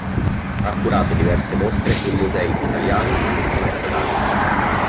Ha curato diverse mostre in musei italiani e internazionali.